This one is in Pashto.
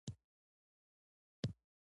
نن مې د تلیفون کنکشن خراب و.